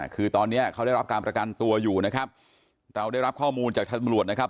คือตอนนี้เขาได้รับการประกันตัวอยู่นะครับเราได้รับข้อมูลจากทางตำรวจนะครับ